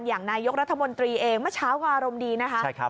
อย่างนายกรัฐมนตรีเองเมื่อเช้าก็อารมณ์ดีนะคะ